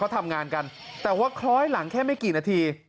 ทำงานกันแต่ว่าคล้อยหลังแค่ไม่กี่นาที